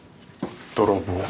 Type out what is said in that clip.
泥棒。